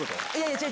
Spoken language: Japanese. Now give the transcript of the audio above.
違う！